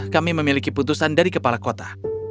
kami memiliki putusan dari kepala kota